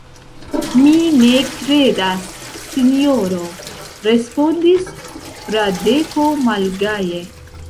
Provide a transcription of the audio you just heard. Mi ne kredas, sinjoro, respondis Fradeko malgaje.